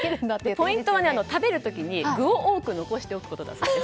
ポイントは食べる時に、具を多く残しておくことだそうです。